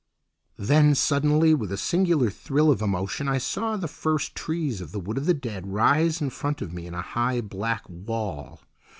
Then, suddenly, with a singular thrill of emotion, I saw the first trees of the Wood of the Dead rise in front of me in a high black wall.